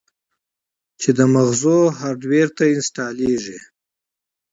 چې د مزغو هارډوئېر ته انسټاليږي